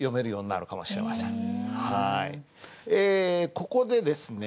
ここでですね